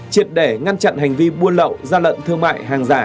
triệt để ngăn chặn hành vi buôn lậu gian lận thương mại hàng giả